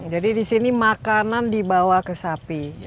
jadi di sini makanan dibawa ke sapi ya